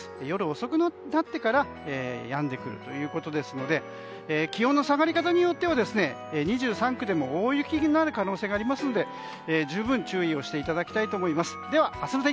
夜遅くなってからやんでくるということですので気温の下がり方によっては２３区でも大雪になる可能性がありますので十分注意していただきたいと思います。